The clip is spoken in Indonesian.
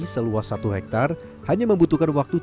seluas satu hektar hanya membutuhkan waktu tiga jam